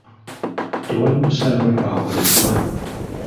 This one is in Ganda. Tewali kusalawo kwakoleddwa.